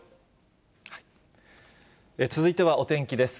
続いてはお天気です。